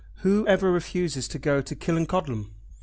Who ever refuses to go to Killancodlem?"